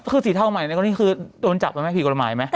คือสีเทาใหม่ในตอนนี้คือโดนจับไหมผิดกว่าหมายไหม